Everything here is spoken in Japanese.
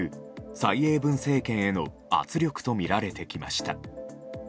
蔡英文政権への圧力とみられてきました。